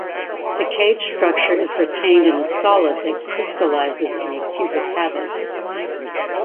The cage structure is retained in a solid that crystallizes in a cubic habit.